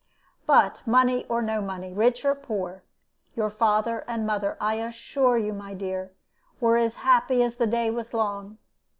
"But, money or no money, rich or poor, your father and mother, I assure you, my dear, were as happy as the day was long.